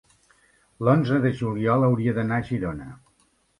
l'onze de juliol hauria d'anar a Girona.